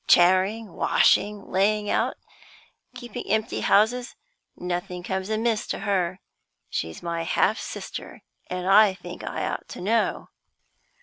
Charing, washing, laying out, keeping empty houses nothing comes amiss to her. She's my half sister, and I think I ought to know."